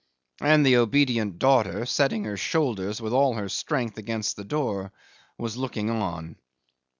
and the obedient daughter, setting her shoulders with all her strength against the door, was looking on.